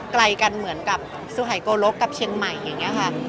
ไกลกันเหมือนกับสุหายโกลกกับเชียงใหม่อย่างนี้ค่ะ